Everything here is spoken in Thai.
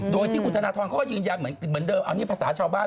โดยที่คุณธนทรเขาก็ยืนยันเหมือนเดิมอันนี้ภาษาชาวบ้าน